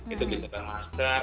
itu bicara master